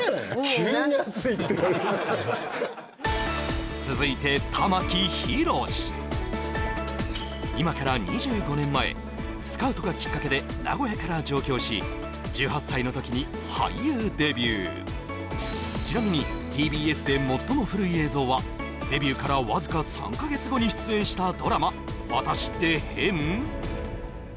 急に熱いって続いて今から２５年前スカウトがきっかけで名古屋から上京しちなみにＴＢＳで最も古い映像はデビューからわずか３か月後に出演したドラマ「私ってヘン？！」